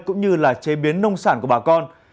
cũng như chế biến nông sản của bà con